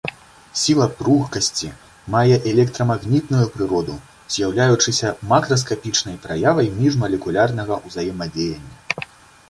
Сіла пругкасці мае электрамагнітную прыроду, з'яўляючыся макраскапічнай праявай міжмалекулярнага ўзаемадзеяння.